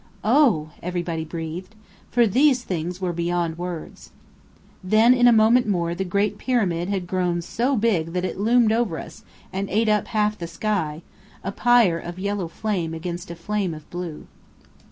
"Oh!" everybody breathed. For these things were beyond words. Then in a moment more the Great Pyramid had grown so big that it loomed over us, and ate up half the sky a pyre of yellow flame against a flame of blue.